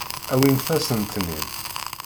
Awimt-asen-ten-id.